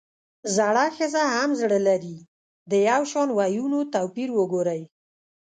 زړه ښځه هم زړۀ لري ؛ د يوشان ويونو توپير وګورئ!